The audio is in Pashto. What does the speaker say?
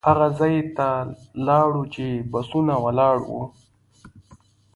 هغه ځای ته لاړو چې بسونه ولاړ وو.